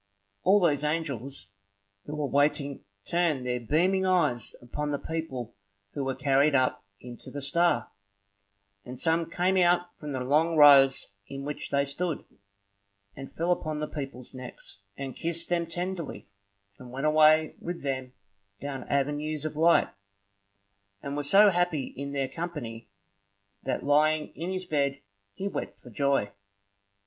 All these angels who were waiting turned their beaming eyes upon the people who were carried up into the star; and some came out from the long rows in which they stood, and fell upon the people's necks, and kissed them tenderly, and went away with them down avenues of light, and were so happy in their company, that lying in his bed he wept for joy.